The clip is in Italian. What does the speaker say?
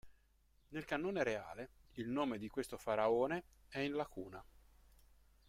Nel Canone Reale, il nome di questo faraone è in lacuna.